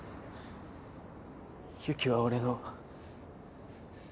ユキは俺の。